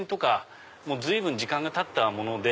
随分時間がたったもので。